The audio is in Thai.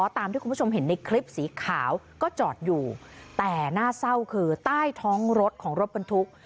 ตามที่คุณผู้ชมเห็นในคลิปสีขาวก็จอดอยู่แต่น่าเศร้าคือใต้ท้องรถของรถบรรทุก